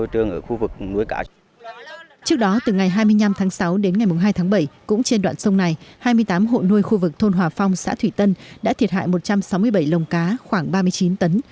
trước đó từ ngày hai mươi năm tháng sáu đến ngày hai tháng bảy cũng trên đoạn sông này hai mươi tám hộ nuôi khu vực thôn hòa phong xã thủy tân đã thiệt hại một trăm sáu mươi bảy lồng cá khoảng ba mươi chín tấn